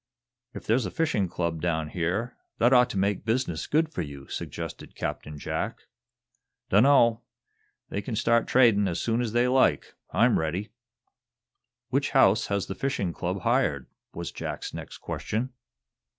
"If there's a fishing club down here, that ought to make business good for you," suggested Captain Jack. "Dunno. They can start tradin' as soon as they like. I'm ready." "Which house has the fishing club hired?" was Jack's next question.